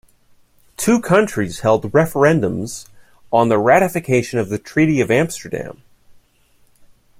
Two countries held referendums on the ratification of the treaty of Amsterdam.